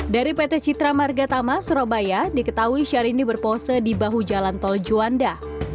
dari pt citra margatama surabaya diketahui syahrini berpose di bahu jalan tol juanda